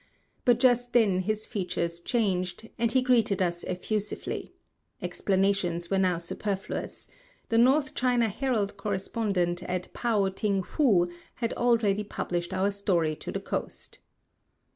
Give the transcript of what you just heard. But just then his features changed, and he greeted us effusively. Explanations were now superfluous. The "North China Herald" correspondent at Pao ting foo had already published our story to the coast.